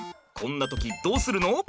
こんな時どうするの？